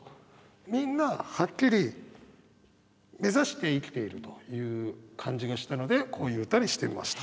みんなはっきり目指して生きているという感じがしたのでこういう歌にしてみました。